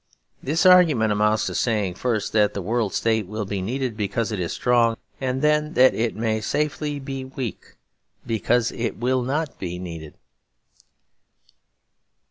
This argument amounts to saying, first that the World State will be needed because it is strong, and then that it may safely be weak because it will not be needed.